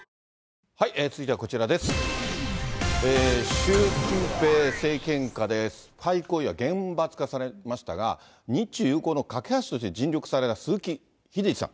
習近平政権下で、スパイ行為が厳罰化されましたが、日中友好の懸け橋として尽力された鈴木英司さん。